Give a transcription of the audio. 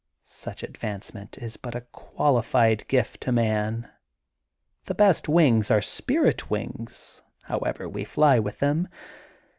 Such advancement is but a qualified gift to man. The best wings are spirit wings, how ever we fly with them.